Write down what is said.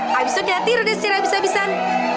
habis itu kita tiru deh secara habis habisan